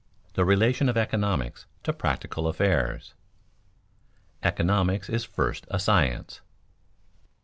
THE RELATION OF ECONOMICS TO PRACTICAL AFFAIRS [Sidenote: Economics is first a science] 1.